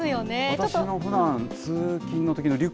私のふだん通勤のときのリュ